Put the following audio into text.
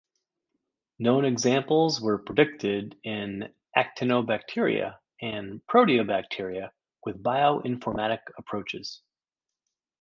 Known Examples were predicted in Actinobacteria and Proteobacteria with bioinformatic approaches.